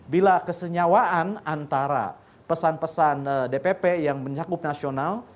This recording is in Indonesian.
bila kesenyawaan antara pesan pesan dpp yang menyakup nasional